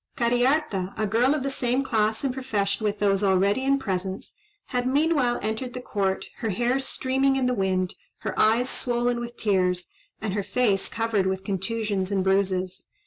Cariharta, a girl of the same class and profession with those already in presence, had meanwhile entered the court, her hair streaming in the wind, her eyes swollen with tears, and her face covered with contusions and bruises.